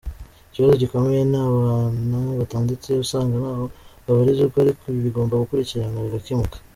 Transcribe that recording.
Ikibazo gikomeye ni abana batanditse usanga ntaho babarizwa ariko ibi bigomba gukurikiranwa bigakemuka.